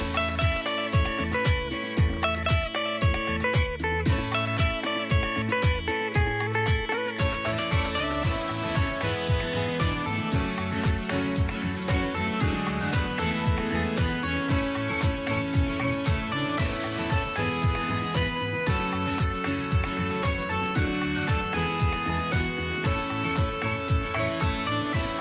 โปรดติดตามตอนต่อไป